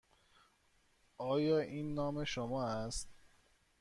آیا این نام شما است؟